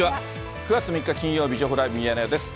９月３日金曜日、情報ライブミヤネ屋です。